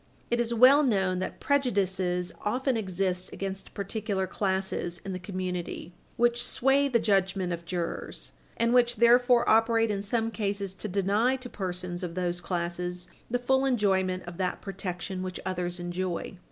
It is well known that prejudices often exit against particular classes in the community which sway the judgment of jurors and which therefore operate in some cases to deny to persons of those classes the full enjoyment of that protection which others enjoy.